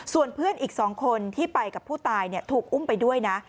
ส่วนเพื่อนอีก๒คนที่ไปกับผู้ตายถูกอุ้มไปด้วยนะ